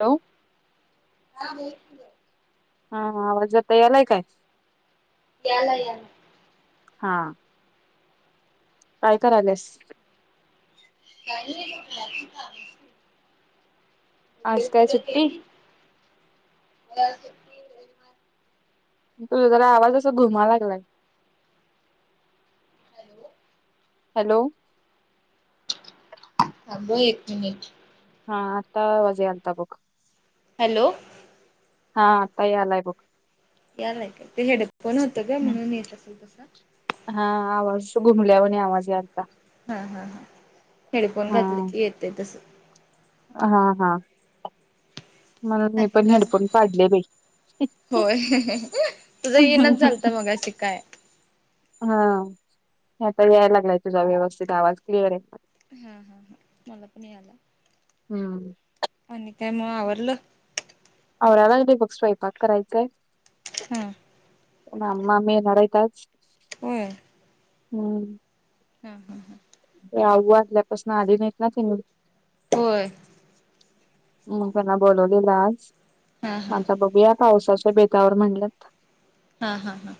Hello! अगं एक kilo. हा, आवाज आता यालाय काय? यालाय यालाय. हा. काय कराल्यास? काय नाही बघं, घरातली कामचं की. आज काय देवपूजा सुट्टी केली आज सुट्टी तुझ जरा आवाज अस घुमाला लागलाय हॅलो! हॅलो! अग एक मिनिट हा आता आवज आलता बघ हॅलो! हा आताही आलाय बघ यालाय का ते हेडफोन होतं ग म्हणून येत असेल तसं घुमल्यावानी आवाज यायलता ह हा हा हेडफोन घातले की येते तस हा हा म्हणून मी आणि पण काय हेडफोन काढले बाई! होय तुझं येनच झालत मगाशी काय? हा आता यायला लागलाय तुझा व्यवस्थित आवाज क्लिअर आहे. हा हा हा मला पण याला हम्म आणि काय मग आवरलं? कराय लागलोय बघं, स्वयंपाक करायचायं. हम्म मामा मामी येणार आहेत आज हय. हम्म हा हा. ते आवू वारल्या पासून आली नाहीत ना त्यांनी होय. म त्यांना बोलवलेल आज हा म हा आता बघूया पावसाच्या बेतावर म्हणल्यात. हा हा हा.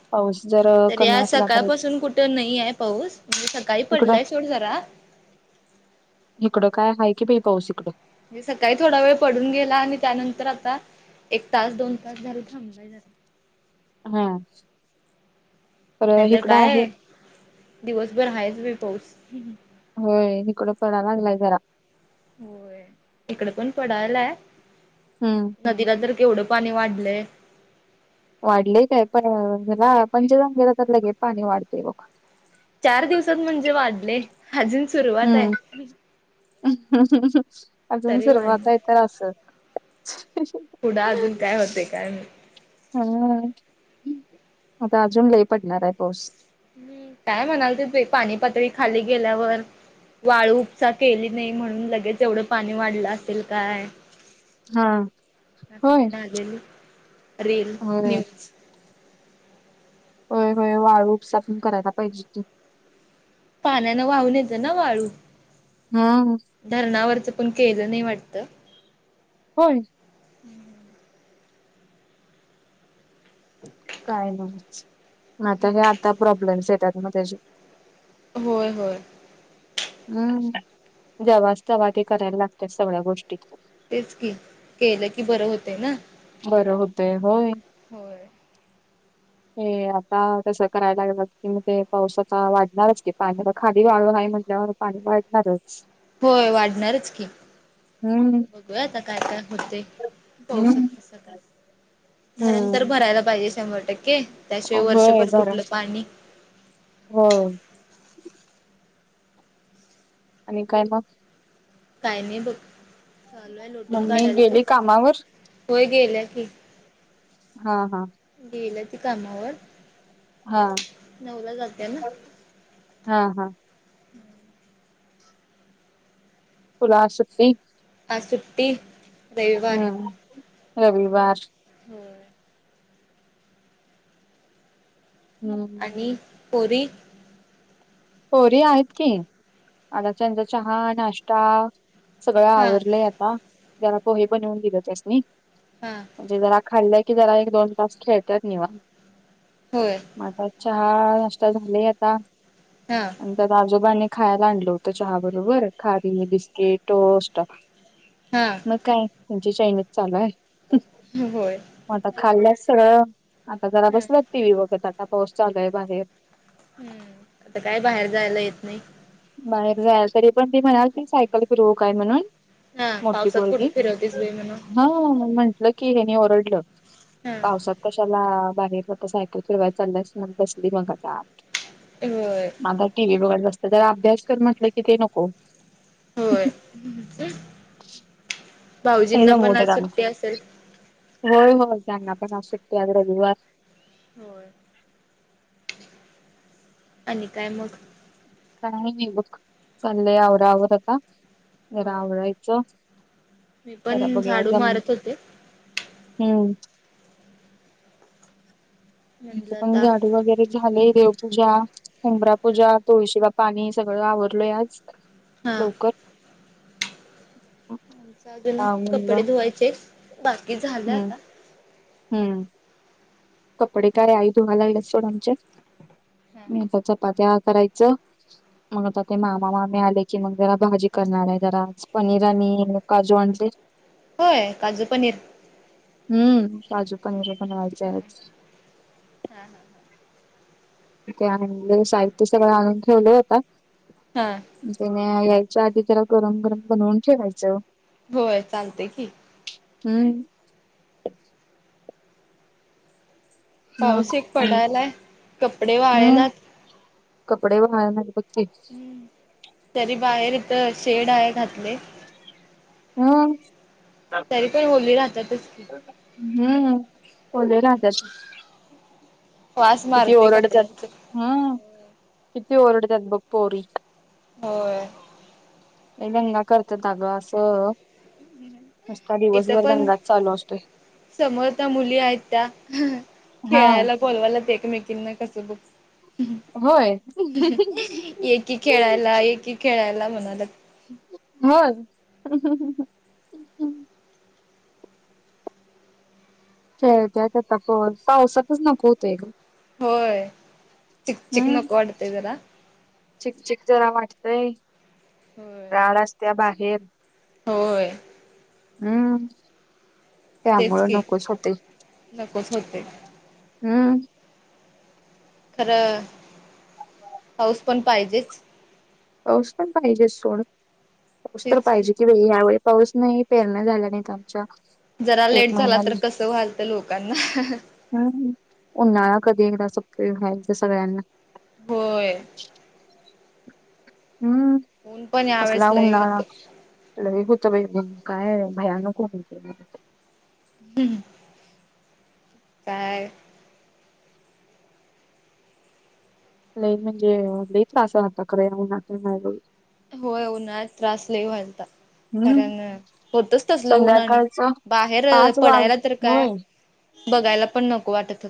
तरी कमी आज असला तर सकाळपासून कुठे नाही आहे पाऊस म्हणजे सकाळी इकडं पडलाय सोड जरा इकडं काय आहे की बाई पाऊस इकडं [unintelligible] सकाळी थोडा वेळ पडून गेला आणि त्यानंतर आता एक तास दोन तास झाल थांबला. नाही झाल. हा खर नाहीतर इकडं आहे. काय दिवसभर हायच बाई पाऊस होय इकडं पडाय लागलाय जरा होय इकड पण पडायलाय हम्म नदीला तर केवढं पाणी वाढलय. वाढलय काय पण ह्यला पंचगंगेला तर लगेच पाणी वाढतय बघ. चार दिवसात म्हणजे वाढलय अजून सुरुवात हाय. हम्म अजून सुरुवात वाढले. हाय तर अस पुढं अजून काय [unintelligible] होते काय माहित हा, आता अजून लई पडणार हाय पाऊस. काय म्हणालतीत बाई पाणी पातळी खाली गेल्यावर वाळू उपसा केली नाही म्हणून लगेच एवढं पाणी वाढलं असेल काय? हा, असं होय. ते आलेली रील, होय न्यूज होय, होय वाळू उपसा पण करायला पाहिजे. पाण्यान वाहून येतं ना वाळू, हा धरणावरच. पण केलं नाही वाटतं. होय. [inaudible] काय न्हवच म आता हे आता प्रॉब्लेम्स येतात मग त्या होय होय. हम्म जेव्हाच तेव्हा ते करायला लागत्यात सगळ्या गोष्टी तेच की केलं की बरं होतंय ना बरं होतय होय. होय. हे आता तस करायला लागेलं कि म ते पावसाचा वाढणारच की पाण्याला खाली वाळू हाय म्हण म्हटल्यावर पाणी वाढणारच. होय वाढणारच की हम्म बघूया आता काय कर होतय पावसाच हम्म कस काय धरण तर हम्म भरायला पाहिजे शंभर टक्के त्याशिवाय होय वर्षभर धर कुठलं पाणी होय. आणि काय मग? काय नाही बघ चालू आहे लोटून मम्मी काढालोय तू गेली कामावर होय गेल्या की हा हा. गेल्या कामावर. हा नऊला जात्या ना. हा हा तुला आज सुट्टी. सुट्टी रविवार हम्म रविवार हो हम्म आणि पोरी पोरी आहेत की आता [unintelligible] चहा नाष्टा सगळं हा आवरलंय आता जरा पोहे बनवून दिलं त्यासनी हा म्हणजे जरा खाल्लंकी जरा एक दोन तास खेळतात निवा होय आता चहा नाष्टा झालय आता हा आणि त्या आजोबांनी खायला आणलं होतं चहा बरोबर खारी बिस्किट टोस्ट हा मग काय तुमची चैनीच चालूय होय म आता खाल्लस आता जरा ह बसला टी व्ही बघत आता पाऊस चालूय बाहेर हम्म आता काय बाहेर जायला येत नई बाहेर जा [unintelligible] तरी पण ती म्हणाल की सायकल फिरवू काय म्हणून हा मोटी पावसात पोरगी कुठे फिरवतेस बाई म्हणून [unintelligible] [unintelligible] ला हा बाहेर स्वत सायकल फेरवाय चालल्यास मग बसली मग आता आ होय आता टीव्ही बघाय बस्त्यात तर अभ्यास कर म्हटलं की ते नको होय [unintelligible] नाही भाऊजींना पण आज जमवतात आणि सुट्टी असेल होय होय त्यांना पण आज सुट्टी आज रविवार हो आणि काय मग काय नाई बग चाललंय आवरावर आता जरा होय आवरायचं मी जरा पण बघूया झाडू जम मारत होते हम्म म्हटलं [unintelligible] आता झाडी वगैरे झाले देवपूजा हुंबरा पूजा तुळशी [unintelligible] पाणी सगळं आवरलय आज हा लवकर आमच अजून आ म्हणलं कपडे धुवायचेत बाकी झालं हम्म आता हम्म कपडे का आहे आई [unintelligible] हा हा. मीता चपात्या- करायचं. मग आता ते मामा मामी आले की, मग जरा भाजी करणारय आहे. जरा पनीर आणि काजू- ते होय काजू पनीर. हम्म. काजू पनीर बनवायचेय. हा हा हा. ते साहित्य सगळं आणून ठेवलं होत. हा त्याने- [unintelligible] आधी त्याला गरम गरम बनवून ठेवायचं. होय. चालतय की. हम्. मग पाऊस एक पडायलाय कपडे आणि [unintelligible] वाळेनात कपडे [unintelligible] हम्म. तरी बाहेर इथ शेड आहे घातलेय. [unintelligible] तरी पण ओली राहत्यातच की. हम्म ओले राहतात. वास किती मारते ओरडत्यात. कपड्यांच ह. किती ओरडत्यात बग पोरी. हो हे दंगा करत द ग अस असता इथं दिवसभर पण दंगाच चालू असतोय समोर त्या मुली आहेत त्या हा खेळायला बोलवायला ते तु् किन कसं बुक्स? होय. एकी खेळायला एकी खेळायला म- मला. [unintelligible] त्या त्यात आता प पावसातच नको होतय ग. होय चिकचिक हम्म नको वाटतंय जरा चीक चीक जरा वाट- होय राड असत्या बाहेर. होय. हम्म. तेच त्यामुळे की नकोच होतय. नकोच होतंय हम्म. खरं पाऊस पण पाहिजेच. पाऊस पण पाहिजे सोड. [unintelligible] तेच की यावेळे- पाऊस नाही पेरण्या झाल्या नाहीत - जरा लेट झाला तर कसं, वलतं लोकांना- हम्. उन्हाळा कधी एकदा सपतोय व्हायलत सगळ्यांना. होय. हम्म. ऊन पण कसला यावेळेस लई उन्हाळा होतं [unintelligible] [unintelligible] काय भयानक होत खूप ऊन. ह्. काय- लई म्हणजे लई त्रास होतो [unintelligible] होय उन्हाळ्यात त्रास लई व्हायलाता. हम्म कारण होतच तसल उन आणि संध्याकाळचं बाहेर पाच पडायला वाज तर काय- होय बघायला पण नको वाटत.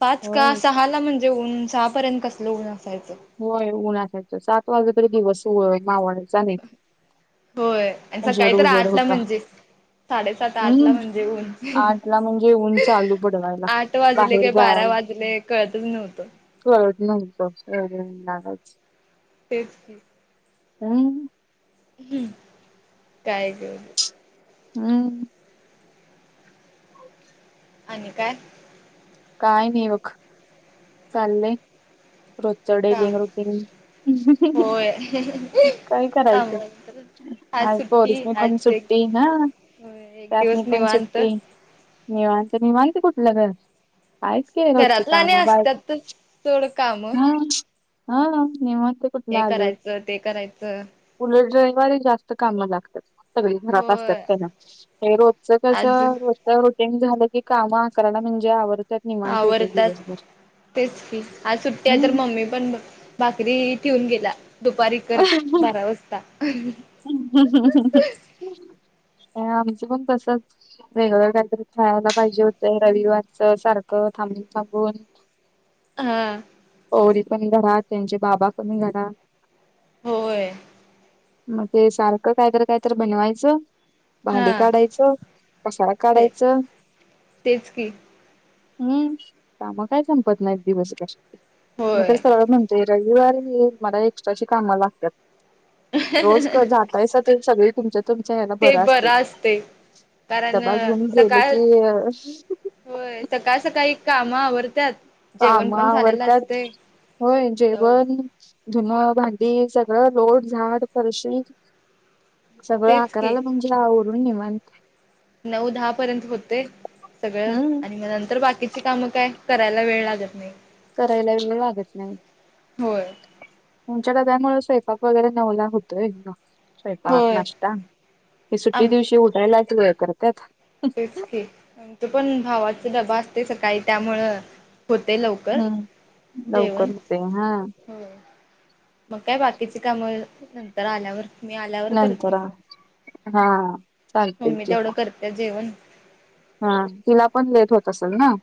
पाच का होय सहा ला म्हणजे ऊन सहा पर्यंत कसलं ऊन- असायचं. होय उनायच सात वाजला तरी दिवस हो मावळाय चा नाही. होय आणि सकाळी उजेड तर उजेड आठला होता म्हणजे- साडेसात आठ हम्म ला म्हणजे ऊन. आठला म्हणजे ऊन चालू पडवायला आठ वाजले बाहेर की बारा- जायला वाजले कळतच नव्हतं. कळत नव्हतं. [unintelligible] तेच की. हम्. ह् काय ग. हम्. आणि काय. काय नाही बघ चाललंय रोजच्यावडे काम लिंग रज. होय काय करायचं आम्हाला तर आज पोरीस सुट्टी मी पण आज एक सुटते. ना एक त्यात नि दिवस पण निवांत सुट्टी निवत निवालते कुठ. लगर काच ग होोचे काम बा. थोडं काम. हा नि. कुठ हे आलं करायचं ते करायचं उल ड्रावर जास्त काम लागत. सगळी घरात असतात होय त्यांना हे रोजच कस आज रोज रज ते झालं की काम आकारयला म्हणजे आवर्तत निमाणस हो आवरतात दिवसभर. तेच की आज सुट्टी तर हम्म मम्मी पण भाकरी ठेऊन गेला. दुपारी कर बारा वाजता. ह् ह ह. आमचं पण तसच वेगवेगळं काहीतरी खेळायला पाहिजे होतंय रविवारच सारखं. थांब सगून. हा. गौरी पण घरात. त्यांचे बाबा पण घरात. होय. मग ते सारखं कायत कायत बनवायचं. हा भांडी काढायचं कसाळा ते काढायचं. तेच की हम् काम काय संपत नाही एक दिवस क मी तर होय सगळ म्हणतेय. रविवारी मला एक्स्ट्राची कामं लागतात रोज जातायस ते. सगळे तुमच्या तुमच्या हना ते बरं असत. असते कारण दबा घेऊन गेलं सकाळ की. होय सकाळ सकाळी काम आवरत्याात. कामावर त्यात होय नऊ जेवण. धुन भांडी सगळं लोट झाड फरशी. सगळं तेच की आकाराला म्हणजे ओरून निे म्हन. नऊ दहा पर्यंत होते सगळं हम्म आणि मग नंतर बाकीची कामं काय. करायला वेळ लागत नाही. करायला लागत नाही होय. उच्या द त्यामुळे स्वफाक वगैरे नवला होतोय ना. स्वयंपाक होय नाष्ट्ता कि सुट्टी आम दिवशी उडायलाच करतत. तेच की आ त पण भावाचा डबा असते सकाळी त्यामुळं होते लवकर देवण लवकर होते हा हो. मग काय बाकीची कामं नंतर आल्यावर. मी आल्यावर नंतर करते हा मग हा चालतय मग्मी की तेवढं करते जेवण. हा तिला पण लेट होत असेल ना.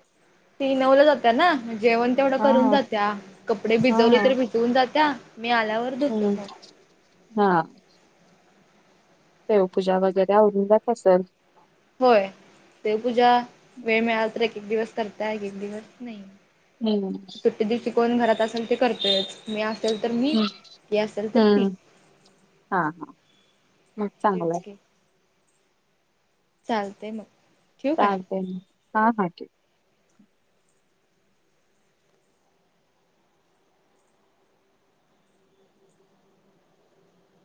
शिनवलं जात्या ना जेवण तेवढं हा करून जात्या कपडे हा भिजवले तर भिजवून जात्या. मी आल्यावर धुतो हम्म मग. हा. तेव पूजा वगैरे अून जात असल. होय देवपूजा वेळ मिळाला तर एक एक दिवस करता एक एक दिवस नाही. हम्म. सुट्टी दिवशी कोण घरात असेल ते करतोयच मी असेल तर मी तेी असेल तर ती. हम्म हा हा म चांगलं आहे. चालतेय मग. ठेवू काय? चालते हा हा.